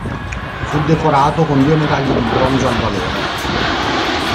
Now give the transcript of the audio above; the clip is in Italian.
Fu decorato con due medaglie di bronzo al valore.